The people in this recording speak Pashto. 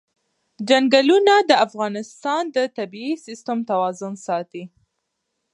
چنګلونه د افغانستان د طبعي سیسټم توازن ساتي.